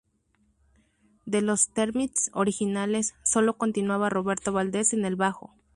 De Los Termit’s originales sólo continuaba Roberto Valdez en el bajo.